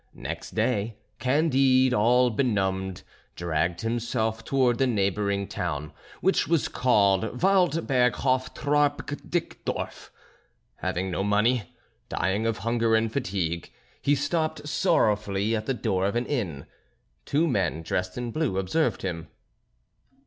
Next day Candide, all benumbed, dragged himself towards the neighbouring town which was called Waldberghofftrarbk dikdorff, having no money, dying of hunger and fatigue, he stopped sorrowfully at the door of an inn. Two men dressed in blue observed him.